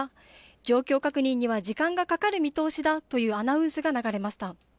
状況確認には時間がかかる見通しだというアナウンスが流れました。